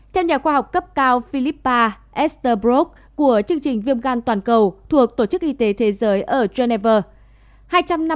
theo nhà khoa học cấp cao philippa exterbrov của chương trình viêm gan toàn cầu thuộc tổ chức y tế thế giới ở geneva